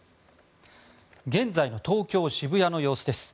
現在の東京・渋谷の様子です。